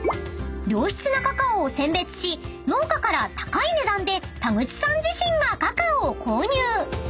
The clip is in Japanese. ［良質なカカオを選別し農家から高い値段で田口さん自身がカカオを購入］